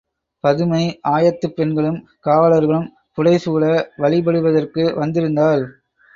பதுமை ஆயத்துப் பெண்களும் காவலர்களும் புடைசூழ வழிபடுவதற்கு வந்திருந்தாள்.